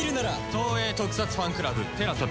東映特撮ファンクラブＴＥＬＡＳＡで。